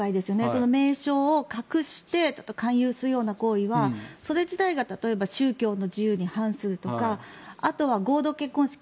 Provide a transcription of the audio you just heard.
その名称を隠して勧誘するような行為はそれ自体が例えば、宗教の自由に反するとかあとは合同結婚式